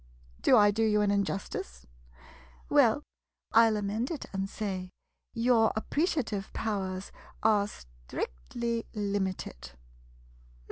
Do I do you an injustice? Well, I '11 amend it and say — your appreciative powers are strictly limited.